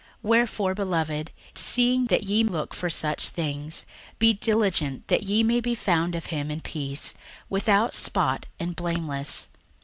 61:003:014 Wherefore, beloved, seeing that ye look for such things, be diligent that ye may be found of him in peace, without spot, and blameless.